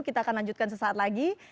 kita akan lanjutkan sesaat lagi